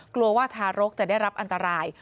กลัวว่าทารกจะได้รับอันตราย